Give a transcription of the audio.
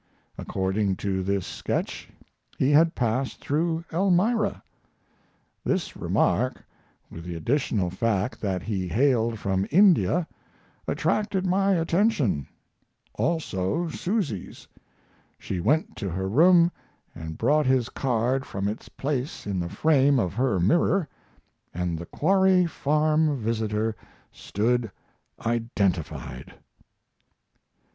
According to this sketch he had passed through Elmira. This remark, with the additional fact that he hailed from India, attracted my attention also Susy's. She went to her room and brought his card from its place in the frame of her mirror, and the Quarry Farm visitor stood identified.